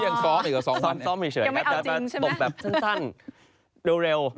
ยังซ้อมอีกกว่าสองวันแหละครับตกแบบสั้นดูเร็ว